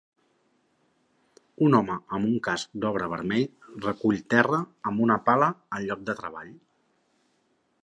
Un home amb un casc d'obra vermell recull terra amb una pala al lloc de treball.